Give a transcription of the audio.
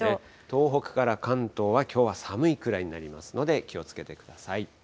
東北から関東はきょうは寒いくらいになりますので、気をつけてください。